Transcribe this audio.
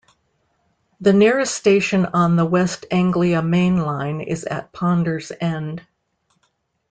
The nearest station on the West Anglia Main Line is at Ponders End.